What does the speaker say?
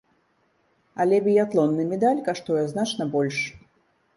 Але біятлонны медаль каштуе значна больш.